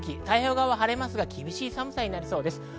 太平洋側は晴れますが、厳しい寒さになりそうです。